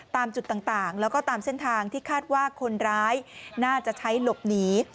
ตามจุดต่างแล้วก็ตามเส้นทางที่คาดว่าคนร้ายน่าจะใช้หลบหนี